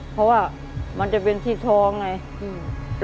เพราะว่ามันจะเป็นที่ทอด